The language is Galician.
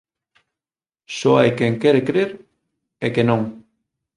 Só hai quen quere crer e que non.